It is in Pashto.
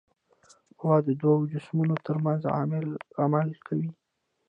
قوه د دوو جسمونو ترمنځ عمل کوي.